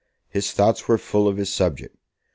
His thoughts were full of his subject.